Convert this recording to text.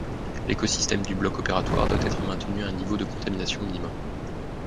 L'écosystème du bloc opératoire doit être maintenu à un niveau de contamination minimum.